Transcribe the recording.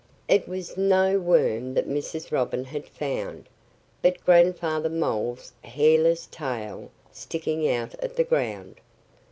It was no worm that Mrs. Robin had found, but Grandfather Mole's hairless tail sticking out of the ground.